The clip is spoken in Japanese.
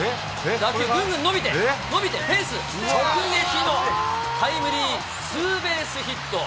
打球、ぐんぐん伸びて、伸びてフェンス直撃のタイムリーツーベースヒット。